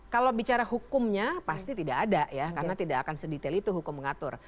kalau bicara hukumnya pasti tidak ada ya karena tidak akan sedetail itu hukum mengatur